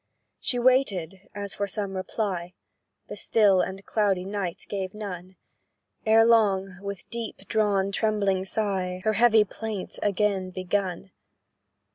She waited as for some reply; The still and cloudy night gave none; Ere long, with deep drawn, trembling sigh, Her heavy plaint again begun.